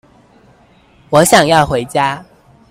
我想要回家